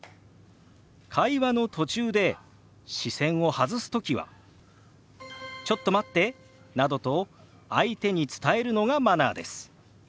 会話の途中で視線を外すときは「ちょっと待って」などと相手に伝えるのがマナーです。